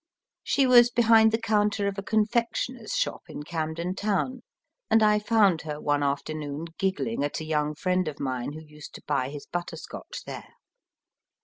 She was behind the counter of a confectioner s shop in Camden Town, and I found her one afternoon giggling at a young friend of mine who used to buy his butterscotch there.